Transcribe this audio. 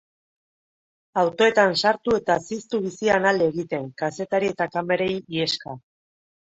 Autoetan sartu eta ziztu bizian alde egiten, kazetari eta kamerei iheska.